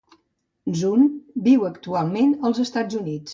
Zun viu actualment als Estats Units.